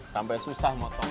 sampai susah mau tolong